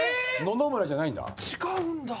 野々村じゃないんだ。